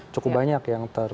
cukup banyak yang terpukul